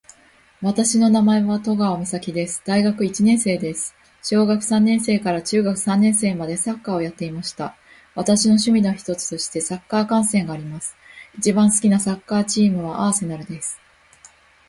私の名前は登川岬です。大学一年生です。小学三年生から中学三年生までサッカーをやっていました。私の趣味の一つとしてサッカー観戦があります。一番好きなサッカーチームは、アーセナルです。